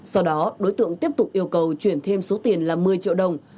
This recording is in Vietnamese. sau đó đối tượng tiếp tục yêu cầu chuyển thêm số tiền là một mươi triệu đồng